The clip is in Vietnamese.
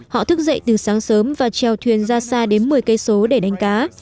họ thức dậy từ sáng sớm và treo thuyền ra xa đến một mươi km để đánh cá